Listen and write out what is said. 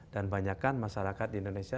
dan banyakan masyarakat di indonesia